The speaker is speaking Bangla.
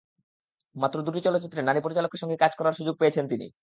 মাত্র দুটি চলচ্চিত্রে নারী পরিচালকের সঙ্গে কাজ করার সুযোগ পেয়েছেন তিনি।